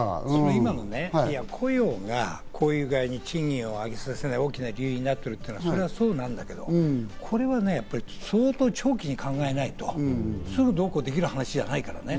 今の雇用が賃金を上げさせない理由になってるというのは、それはそうなんだけど、これは相当長期で考えないと、すぐ、どうこうできる話じゃないからね。